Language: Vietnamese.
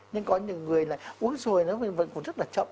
nhưng có những người là uống rồi nó vẫn cũng rất là chậm